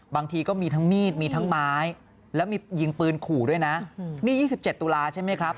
บางทีก็มีทั้งมีดมีทั้งไม้แล้วมียิงปืนขู่ด้วยนะนี่๒๗ตุลาใช่ไหมครับ